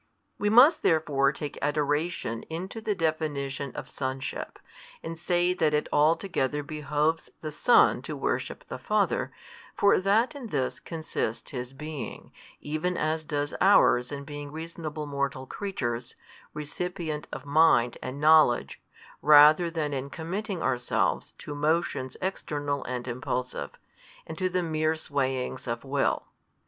We must therefore take adoration into the definition of Sonship, and say that it altogether behoves the Son to worship the Father, for that in this consists |215 His being, even as does ours in being reasonable mortal creatures, recipient of mind and knowledge, rather than in committing ourselves to motions external and impulsive, and to the mere swayings of will.